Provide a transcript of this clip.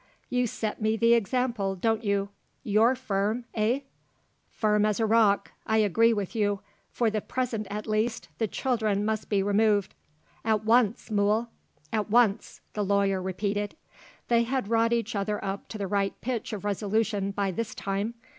You set me the example don't you? You're firm eh?" "Firm as a rock. I agree with you. For the present at least, the children must be removed." "At once, Mool!" "At once!" the lawyer repeated. They had wrought each other up to the right pitch of resolution, by this time.